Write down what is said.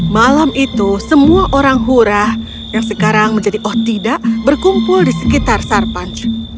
malam itu semua orang hurah yang sekarang menjadi oh tidak berkumpul di sekitar sarpanch